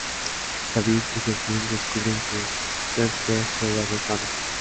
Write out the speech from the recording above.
David y Yasmin descubren que Webster juega a dos bandas.